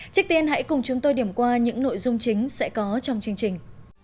các bạn hãy cùng chúng tôi điểm qua những nội dung chính sẽ có trong chương trình